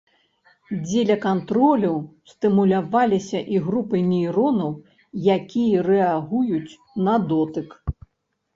Дзеля кантролю стымуляваліся і групы нейронаў, якія рэагуюць на дотык.